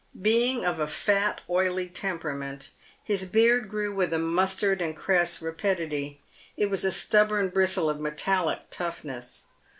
Being of a fat, oily temperament, his beard grew with a mustard and cress rapidity. It was a stubborn bristle of metallic toughness.